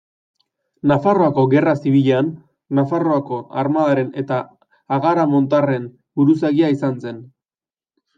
Nafarroako Gerra Zibilean Nafarroako armadaren eta agaramontarren buruzagia izan zen.